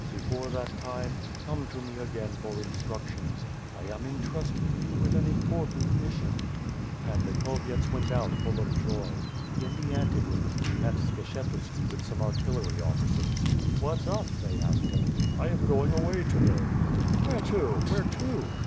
Before that time, come to me again for in structions. I am intrusting you with an important mission." Pan Bikhoveyets went out full of joy. In the ante room, he met Skshetuski with some artillery officers. "Mliat's up?" they asked him. "I am going away to day." 92 WITH FIRE AND SWOED. "Where to! Where to?"